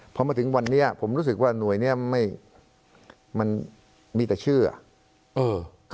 พอมาถึงวันนี้ผมรู้สึกว่าหน่วยนี้ไม่มันมีแต่ชื่ออ่ะ